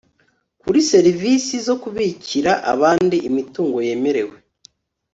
kuri serivisi zo kubikira abandi imitungo yemerewe